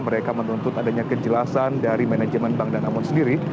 mereka menuntut adanya kejelasan dari manajemen bank danamon sendiri